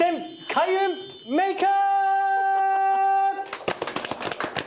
開運メイク！